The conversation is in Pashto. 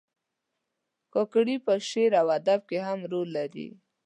کاکړي په شعر او ادب کې هم رول لري.